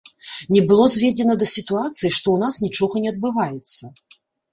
Не было зведзена да сітуацыі, што ў нас нічога не адбываецца.